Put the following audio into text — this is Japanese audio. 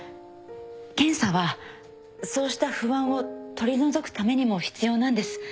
検査はそうした不安を取り除くためにも必要なんです